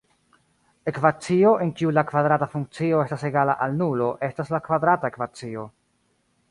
Ekvacio en kiu la kvadrata funkcio estas egala al nulo estas la kvadrata ekvacio.